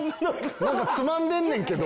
なんかつまんでんねんけど。